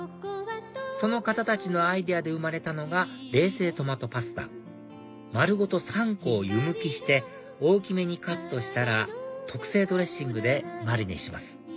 その方たちのアイデアで生まれたのが冷製トマトパスタ丸ごと３個を湯むきして大きめにカットしたら特製ドレッシングでマリネします